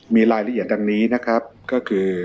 มีรายละเอียดดังนี้นะครับก็คือ